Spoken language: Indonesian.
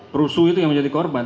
perusuh itu yang menjadi korban